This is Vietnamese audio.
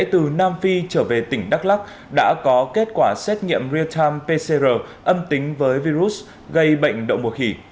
từ nam phi trở về tỉnh đắk lắc đã có kết quả xét nghiệm real time pcr âm tính với virus gây bệnh đậu mùa khỉ